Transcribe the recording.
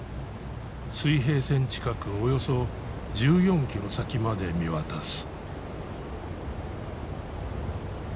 水平線近くおよそ１４キロ先まで見渡す。